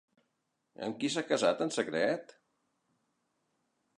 Amb qui s'ha casat en secret?